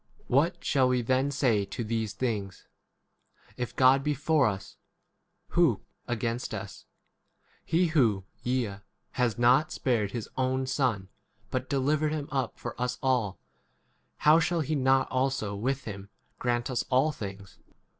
81 What shall we then say to these things ? If God [be] for us, who 32 against us ? He who, yea, has not spared his own Son, but delivered him up for us all, how shall he not also with him grant us all things